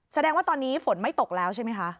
แสดงว่าตอนนี้ฝนไม่ตกแล้วใช่ไหมคะ